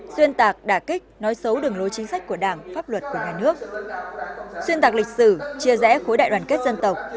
xuyên tạc đả kích nói xấu đường lối chính sách của đảng pháp luật của nhà nước xuyên tạc lịch sử chia rẽ khối đại đoàn kết dân tộc